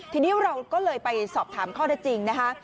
ทีนี้เราก็เลยไปสอบถามข้อได้จริงนะคะ